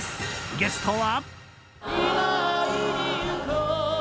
ゲストは。